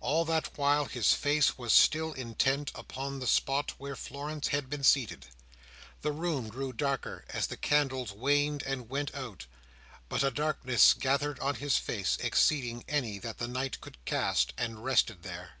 All that while his face was still intent upon the spot where Florence had been seated. The room grew darker, as the candles waned and went out; but a darkness gathered on his face, exceeding any that the night could cast, and rested there.